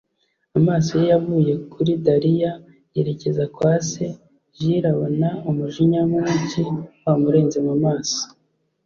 Amaso ye yavuye kuri Darian yerekeza kwa se, Jule abona umujinya mwinshi wamurenze mu maso.